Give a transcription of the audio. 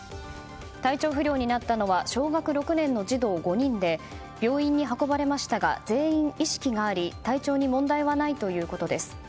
体調不良になったのは小学６年の児童５人で病院に運ばれましたが全員意識があり体調に問題はないということです。